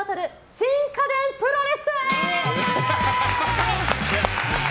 新家電プロレス！